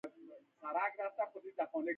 د سمندر ژور والی د ځمکې له لوړ والي څخه ډېر ده.